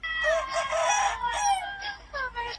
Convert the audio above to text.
د استعداد لرونکي خلګ کله ناکله په خپلو هڅو کي لټي کوي.